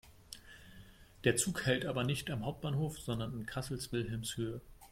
Der Zug hält aber nicht am Hauptbahnhof, sondern in Kassel-Wilhelmshöhe.